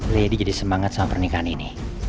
lady jadi semangat sama pernikahan ini